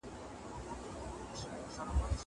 زه به سبا د کتابتون لپاره کار وکړم.